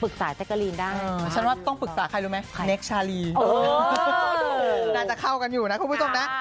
ขอบคุณมากครับ